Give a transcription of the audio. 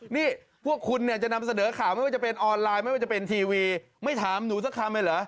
นี่พวกคุณเนี่ยจะนำเสนอข่าวไม่ว่าจะเป็นออนไลน์ไม่ว่าจะเป็นทีวีไม่ถามหนูสักคำเลยเหรอ